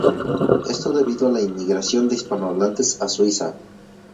Esto debido a la inmigración de hispanohablantes a Suiza.